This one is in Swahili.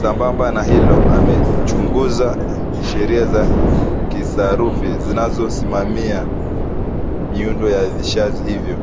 sambamba na hilo amechunguza sheria za kisarufi zinazosimamia miundo ya vishazi hivyo